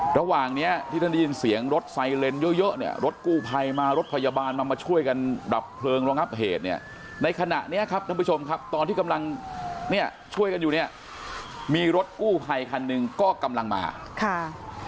ระหว่างเนี้ยที่ท่านได้ยินเสียงรถไซเลนเยอะเยอะเนี่ยรถกู้ภัยมารถพยาบาลมามาช่วยกันดับเพลิงรองับเหตุเนี่ยในขณะเนี้ยครับท่านผู้ชมครับตอนที่กำลังเนี่ยช่วยกันอยู่เนี่ยมีรถกู้ภัยคันหนึ่งก็กำลังมาค่ะ